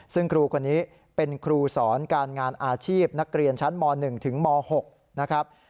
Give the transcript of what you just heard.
ซึ่งครูคนนี้เป็นครูสอนการงานอาชีพนักเรียนชั้นม๑ถึงม๖นะครับ